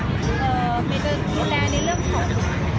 แมนก็ฮูแลในเรื่องของ